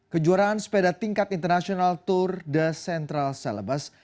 kejuaraan sepeda tingkat internasional tour de central celebes